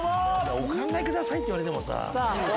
お考えくださいって言われてもさ。